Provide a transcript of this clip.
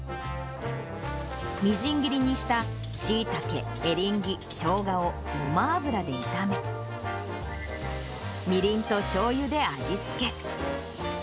みじん切りにしたしいたけ、エリンギ、しょうがをごま油で炒め、みりんとしょうゆで味付け。